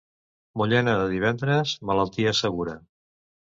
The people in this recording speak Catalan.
Mullena de divendres, malaltia segura.